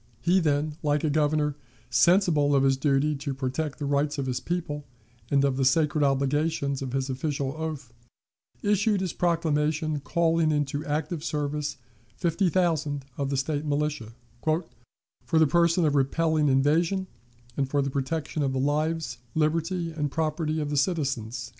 He then, like a Governor, sensible of his duty to protect the rights of his people and of the sacred obligations of his official oath, issued his proclamation calling into active service fifty thousand of the State militia, "for the purpose of repelling invasion, and for the protection of the lives, liberty, and property of the citizens."